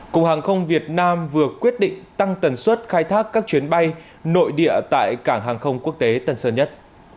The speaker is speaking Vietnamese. cục hàng không việt nam vừa quyết định tăng tần suất khai thác các chuyến bay nội địa tại cảng hàng không quốc tế tân sơn nhất